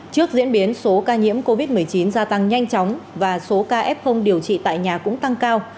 trước diễn biến số ca nhiễm covid một mươi chín gia tăng nhanh chóng và số ca f điều trị tại nhà cũng tăng cao